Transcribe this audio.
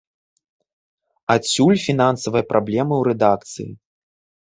Адсюль фінансавыя праблемы ў рэдакцыі.